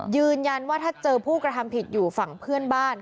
ยืนยันว่าถ้าเจอผู้กระทำผิดอยู่ฝั่งเพื่อนบ้าน